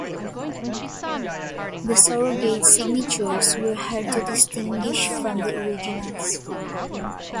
The surrogate signatures were hard to distinguish from the originals.